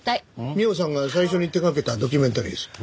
美緒さんが最初に手掛けたドキュメンタリーです。